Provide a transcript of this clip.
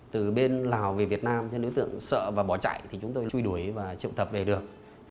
từ bên lào về việt nam nếu đối tượng sợ và bỏ chạy thì chúng tôi chui đuổi và triệu tập để được